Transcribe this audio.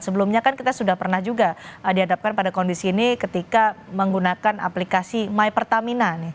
sebelumnya kan kita sudah pernah juga dihadapkan pada kondisi ini ketika menggunakan aplikasi my pertamina nih